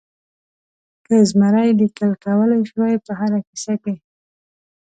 که زمری لیکل کولای شول په هره کیسه کې.